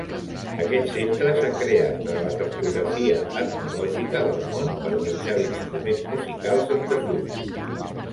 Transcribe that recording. Aquest centre s'ha creat per a la cartografia etnològica del món per mitjà d'instruments musicals en desús.